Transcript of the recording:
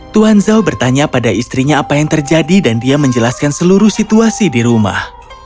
tuan zhao bertanya pada istrinya apa yang terjadi dan dia menjelaskan seluruh situasi di rumah